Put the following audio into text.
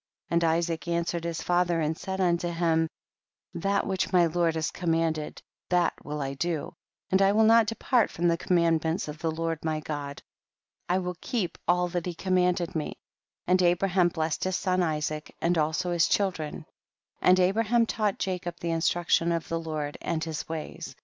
28. And Isaac answered his father and said unto him, that which my Lord has commanded that will I do, and I will not depart from the com mands of the Lord my God, I will keep all that he commanded me ; and Abraham blessed his son Isaac, and also his children ; and Abraham taught Jacob the instruction of the Lord and his ways.